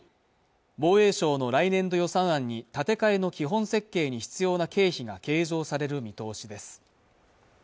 防衛省の来年度予算案に建て替えの基本設計に必要な経費が計上される見通しです